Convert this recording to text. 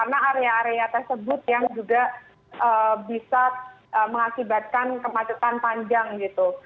karena area area tersebut yang juga bisa mengakibatkan kemacetan panjang gitu